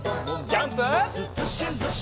ジャンプ！